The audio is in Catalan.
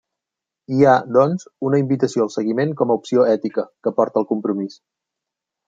Hi ha, doncs, una invitació al seguiment com a opció ètica, que porta al compromís.